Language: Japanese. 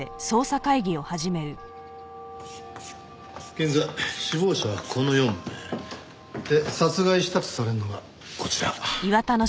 現在死亡者はこの４名。で殺害したとされるのがこちら。